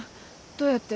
どうやって？